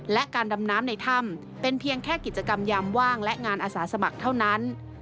และการดำน้ำในถ้ำเป็นเพียงแค่กิจกรรมยามว่างและงานอาสาสมัครเท่านั้น